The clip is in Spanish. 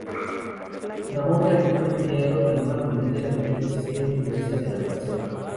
Ramón Carlín fue criado en una familia donde no existían influencias de navegación.